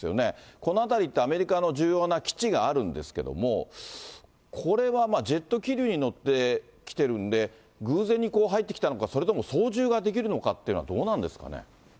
この辺りって、アメリカの重要な基地があるんですけれども、ここはジェット気流に乗って来てるんで、偶然に入ってきたのか、それとも操縦ができるのかっていうのは、どうなんですかね。